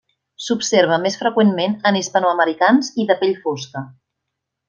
S'observa més freqüentment en hispanoamericans i de pell fosca.